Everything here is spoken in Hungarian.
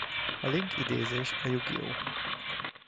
A Link idézés a Yu-Gi-Oh!